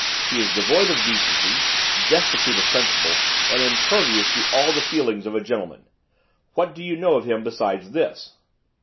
He is devoid of decency, destitute of principle, and impervious to all the feelings of a gentleman. What do you know of him besides this?